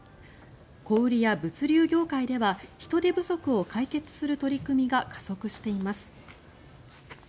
小売りや物流業界では人手不足を解決する取り組みが加速しています。